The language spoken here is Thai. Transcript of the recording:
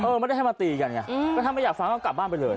ไม่ได้ให้มาตีกันไงก็ถ้าไม่อยากฟังก็กลับบ้านไปเลย